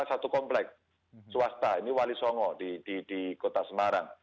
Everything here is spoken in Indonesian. satu komplek swasta ini wali songo di kota semarang